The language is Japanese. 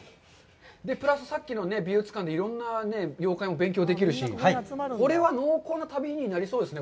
プラス、さっきの美術館でいろんな妖怪も勉強できるし、これは濃厚な旅になりそうですね。